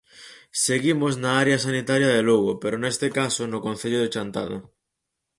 Seguimos na área sanitaria de Lugo, pero neste caso no concello de Chantada.